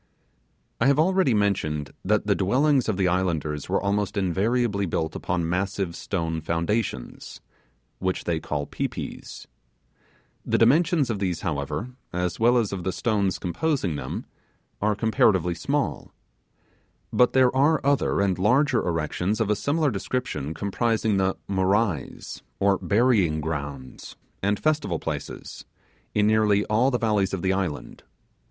I have already mentioned that the dwellings of the islanders were almost invariably built upon massive stone foundations, which they call pi pis. The dimensions of these, however, as well as of the stones composing them, are comparatively small: but there are other and larger erections of a similar description comprising the 'morais', or burying grounds, and festival places, in nearly all the valleys of the island.